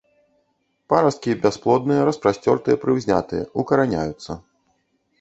Парасткі бясплодныя, распасцёртыя, прыўзнятыя, укараняюцца.